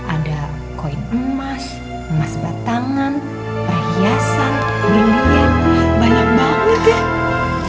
ada koin emas emas batangan perhiasan bimbingan banyak banget ya